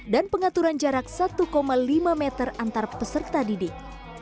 dan pengaturan jarak satu lima meter antar peserta didik